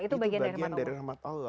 itu bagian dari rahmat allah